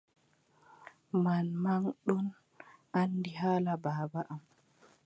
Manman ɗon anndi haala baaba am.